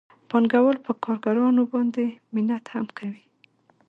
پانګوال په کارګرانو باندې منت هم کوي